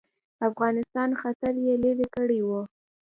افغانستان خطر یې لیري کړی وو.